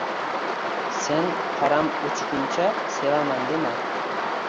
Sen qoram o‘chguncha „ Sevaman!“ dema…